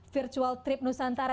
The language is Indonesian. virtual trip nusantara